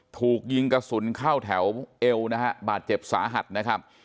ถูกยิงกระสุนเข้าแถวเอวนะฮะบาดเจ็บสาหัสนะครับ